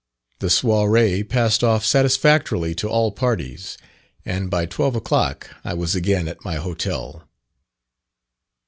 The soirée passed off satisfactorily to all parties; and by twelve o'clock I was again at my Hotel.